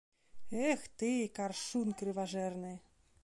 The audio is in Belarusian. Эх ты, каршун крыважэрны!